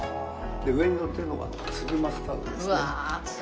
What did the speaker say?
で上にのってるのが粒マスタードですね。